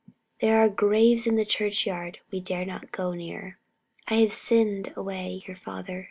There are graves in the churchyard we dare not go near. "I have sinned away your father!"